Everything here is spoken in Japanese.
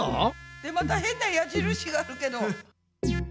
でまた変な矢印があるけど。